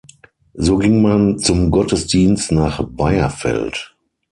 So ging man zum Gottesdienst nach Beierfeld.